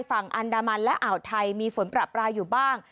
ฝั่งอันดามันและอ่าวไทยมีฝนประปรายอยู่บ้าง